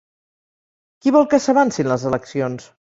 Qui vol que s'avancin les eleccions?